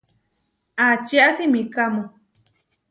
Aʼčía simikámu?